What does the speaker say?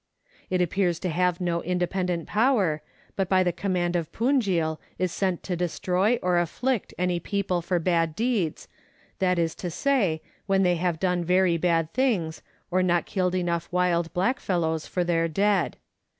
It appears to have no independent power, but by the command of Punjil is sent to destroy or afflict any people for bad deeds, that is to say, when they have done very bad things, or not killed enough wild blackfellows for their dead.